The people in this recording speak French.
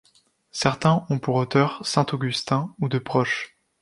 Certains ont pour auteur saint Augustin ou de proches.